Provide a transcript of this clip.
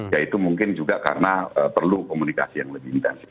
yaitu mungkin juga karena perlu komunikasi yang lebih intensif